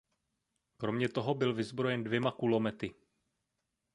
Kromě toho byl vyzbrojen dvěma kulomety.